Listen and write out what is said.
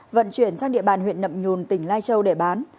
vận chuyển sang địa bàn huyện nậm nhùn tỉnh lai châu để bán